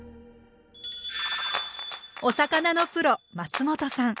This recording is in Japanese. お魚のプロ松本さん